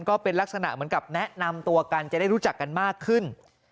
ก็เป็นลักษณะเหมือนกับแนะนำตัวกันจะได้รู้จักกันมากขึ้น